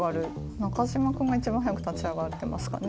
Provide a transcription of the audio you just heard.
中島君が一番早く立ち上がってますかね。